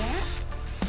dengan ibu saya bu